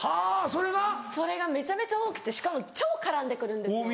それがめちゃめちゃ多くてしかも超絡んで来るんですよ。